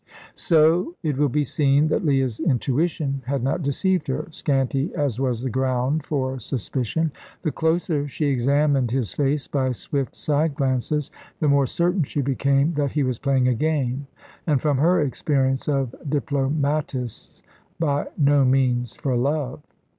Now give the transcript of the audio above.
So it will be seen that Leah's intuition had not deceived her, scanty as was the ground for suspicion. The closer she examined his face by swift side glances, the more certain she became that he was playing a game, and from her experience of diplomatists by no means for love.